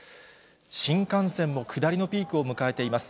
新幹線も下りのピークを迎えています。